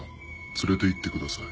連れて行ってください。